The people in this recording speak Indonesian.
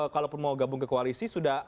kalaupun mau gabung ke koalisi sudah